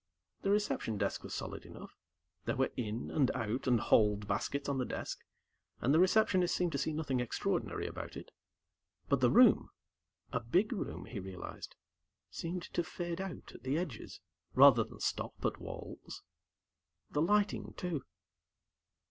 The reception desk was solid enough. There were IN and OUT and HOLD baskets on the desk, and the Receptionist seemed to see nothing extraordinary about it. But the room a big room, he realized seemed to fade out at the edges, rather than stop at walls. The lighting, too....